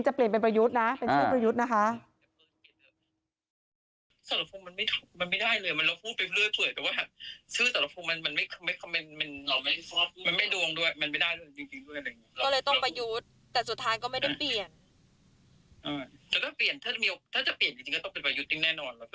เปลี่ยนเป็นประยุทธ์นะเป็นชื่อประยุทธ์นะคะ